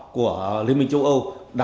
của liên minh châu âu đặc biệt là